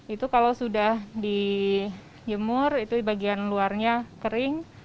itu kalau sudah dijemur itu bagian luarnya kering